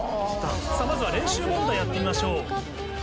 まずは練習問題やってみましょう。